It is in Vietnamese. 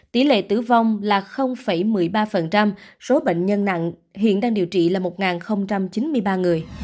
tỷ lệ tử vong là một mươi ba số bệnh nhân nặng hiện đang điều trị là một chín mươi ba người